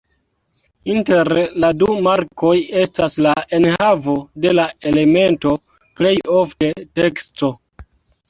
Inter la du markoj estas la enhavo de la elemento, plej ofte teksto.